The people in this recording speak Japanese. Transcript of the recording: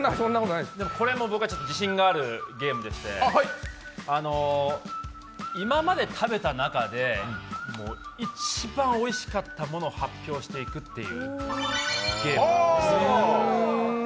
これは僕、自信があるゲームでして今まで食べた中で、一番おいしかったものを発表していくというゲーム。